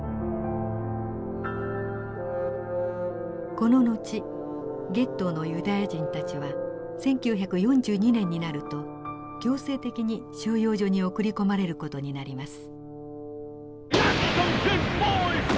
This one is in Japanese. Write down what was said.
この後ゲットーのユダヤ人たちは１９４２年になると強制的に収容所に送り込まれる事になります。